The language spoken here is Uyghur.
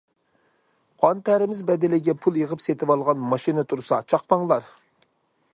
قان- تەرىمىز بەدىلىگە پۇل يىغىپ سېتىۋالغان ماشىنا تۇرسا چاقماڭلار.